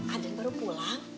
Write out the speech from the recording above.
aden baru pulang